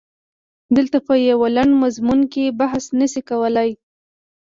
دلته په یوه لنډ مضمون کې بحث نه شي کېدلای.